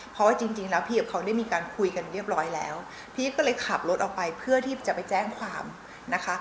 เพราะว่าจริงแล้วพี่กับเขาได้มีการคุยกันเรียบร้อยแล้วพี่ก็เลยขับรถออกไปเพื่อที่จะไปแจ้งความนะคะ